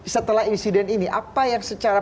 setelah insiden ini apa yang secara